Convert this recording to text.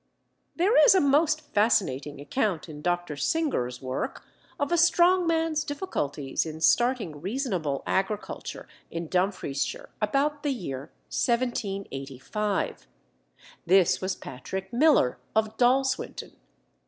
There is a most fascinating account in Dr. Singer's work of a strong man's difficulties in starting reasonable agriculture in Dumfriesshire about the year 1785. This was Patrick Miller, of Dalswinton.